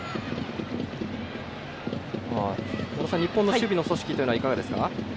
日本の守備の組織というのはいかがですか？